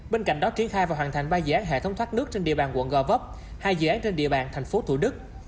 bên cạnh đó triển khai và hoàn thành ba dự án hệ thống thoát nước trên địa bàn quận gò vấp hai dự án trên địa bàn tp thủ đức